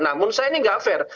nah menurut saya ini tidak fair